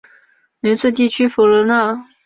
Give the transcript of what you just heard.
雷茨地区弗雷奈。